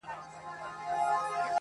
کليوال هلکان د پیښي په اړه خبري سره کوي,